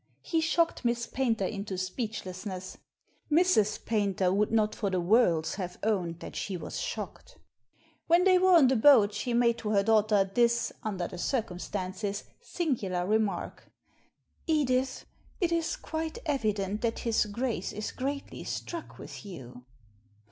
He shocked Miss Paynter into speechlessness. Mrs. Paynter would not for worlds have owned that she was shocked When they were on the boat she made to her daughter this — under the circumstances — singular remark: "Edith, it is quite evident that his Grace is greatly struck with you."